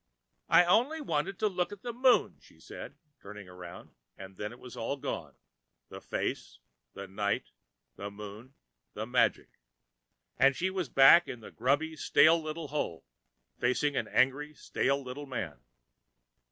"I only wanted to look at the Moon," she said, turning around, and then it was all gone the face, the night, the Moon, the magic and she was back in the grubby, stale little hole, facing an angry, stale little man.